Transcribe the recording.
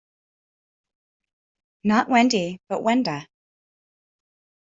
Not Wendy, but Wenda.